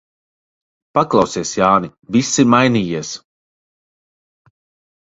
Paklausies, Jāni, viss ir mainījies.